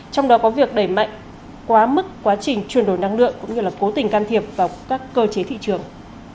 trong đó có việc đẩy mạnh quá mức quá trình chuyển đổi năng lượng cũng như là cố tình can thiệp vào các cơ chế thị trường